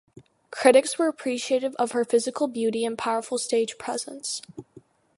Critics were appreciative of her physical beauty and powerful stage presence.